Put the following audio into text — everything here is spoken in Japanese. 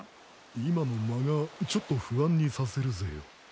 今の間がちょっと不安にさせるぜよ。